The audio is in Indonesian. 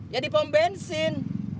ya di pom bensin